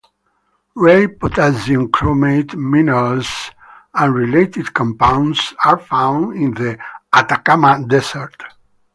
Rare potassium chromate minerals and related compounds are found in the Atacama desert.